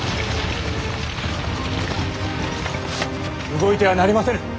動いてはなりませぬ。